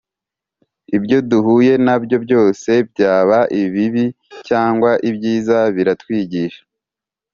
ibyo duhuye na byo byose, byaba ibibi cyangwa ibyiza biratwigisha